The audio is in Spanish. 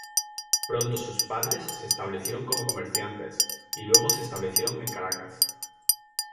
Pronto sus padres se establecieron como comerciantes y luego se establecieron en Caracas.